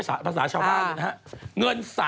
จากธนาคารกรุงเทพฯ